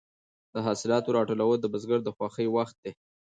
د حاصلاتو راټولول د بزګر د خوښۍ وخت دی.